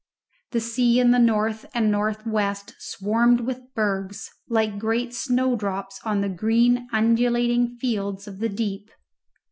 The sea in the north and north west swarmed with bergs, like great snowdrops on the green undulating fields of the deep.